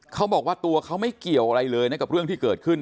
เขาบอกว่าตัวเขาไม่เกี่ยวอะไรเลยนะกับเรื่องที่เกิดขึ้น